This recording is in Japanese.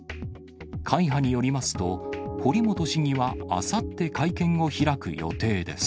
会派によりますと、堀本市議はあさって、会見を開く予定です。